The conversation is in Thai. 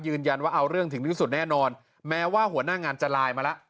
ยืนยันว่าเอาเรื่องถึงที่สุดแน่นอนแม้ว่าหัวหน้างานจะไลน์มาแล้ว